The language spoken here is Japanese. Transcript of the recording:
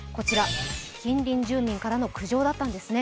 近隣住民からの苦情だったんですね。